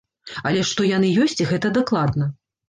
Але што яны ёсць, гэта дакладна.